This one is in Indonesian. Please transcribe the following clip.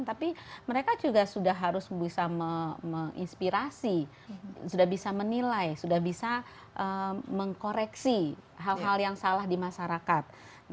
tapi mereka juga sudah harus bisa menginspirasi sudah bisa menilai sudah bisa mengkoreksi hal hal yang salah di masyarakat